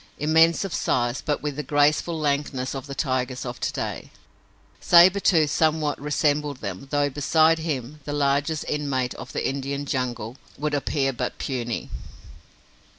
Immense of size but with the graceful lankness of the tigers of to day, Sabre Tooth somewhat resembled them, though, beside him, the largest inmate of the Indian jungle would appear but puny.